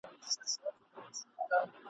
په دامونو کي مرغان چي بندېدله `